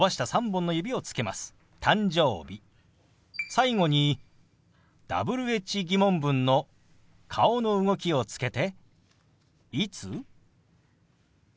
最後にＷｈ−疑問文の顔の動きをつけて「いつ？」。